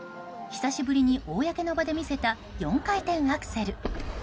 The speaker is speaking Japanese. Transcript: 久しぶりに公の場で見せた４回転アクセル。